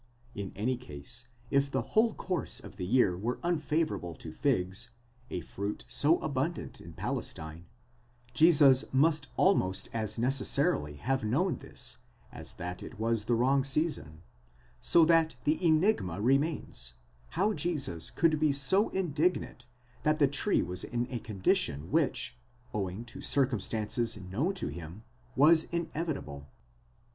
In any case, if the whole course of the year were unfavourable to figs, a fruit so abundant in Palestine, Jesus must almost as necessarily have known this as that it was the wrong season; so that the enigma remains, how Jesus could be so indignant that the tree was in a condition which, owing to circumstances known to him, was inevitable.